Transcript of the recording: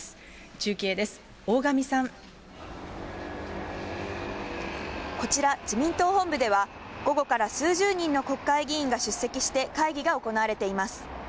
中継です、こちら、自民党本部では、午後から数十人の国会議員が出席して、会議が行われています。